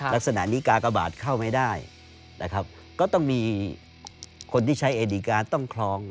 ลักษณะนี้กากบาทเข้าไม่ได้นะครับก็ต้องมีคนที่ใช้เอดิการต้องคลอง